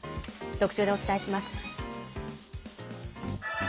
特集でお伝えします。